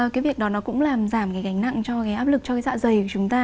cái việc đó nó cũng làm giảm cái gánh nặng cho cái áp lực cho cái dạ dày của chúng ta